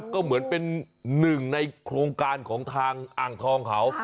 ก็เหมือนเป็นหนึ่งในโครงการของทางอ่างทองเขา